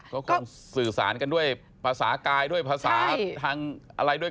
ก็คงสื่อสารกันด้วยภาษากายด้วยภาษาทางอะไรด้วย